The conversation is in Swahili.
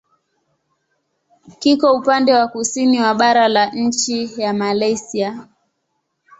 Kiko upande wa kusini wa bara la nchi ya Malaysia.